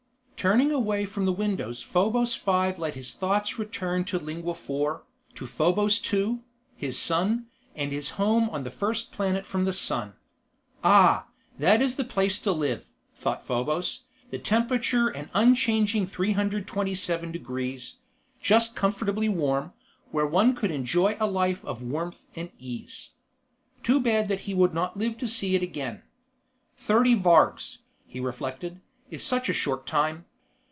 Turning away from the windows Probos Five let his thoughts return to Lingua Four, to Probos Two, his son, and his home on the first planet from the sun. Ah, that is the place to live, thought Probos, the temperature an unchanging 327°; just comfortably warm, where one could enjoy a life of warmth and ease. Too bad that he would not live to see it again. Thirty vargs, he reflected, is such a short time.